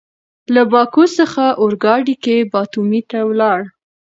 له باکو څخه اورګاډي کې باتومي ته ولاړ.